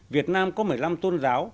việt nam có một mươi năm tôn giáo